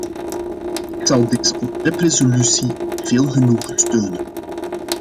Ik zal deze ontwerp-resolutie met veel genoegen steunen.